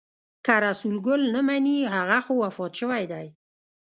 که رسول ګل نه مني هغه خو وفات شوی دی.